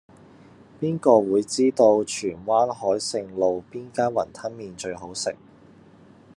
邊個會知道荃灣海盛路邊間雲吞麵最好食